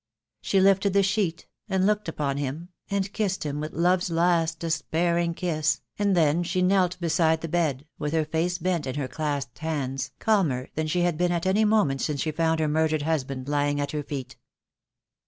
She lifted the sheet, and looked upon him, and kissed him with love's last despairing kiss, and then she knelt beside the bed, with her face bent in her clasped hands, calmer than she had been at any moment since she found her murdered husband lying at her feet.